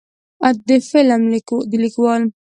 د فلم د لیکوال